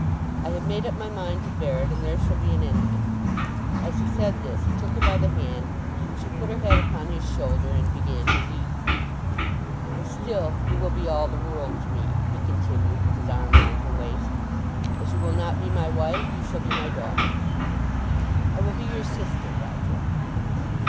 I have made up my mind to bear it, and there shall be an end of it." As he said this he took her by the hand, and she put her head upon his shoulder and began to weep. "And still you will be all the world to me," he continued, with his arm round her waist. "As you will not be my wife, you shall be my daughter." "I will be your sister, Roger."